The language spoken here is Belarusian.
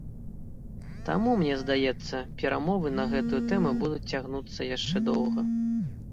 Таму, мне здаецца, перамовы на гэтую тэму будуць цягнуцца яшчэ доўга.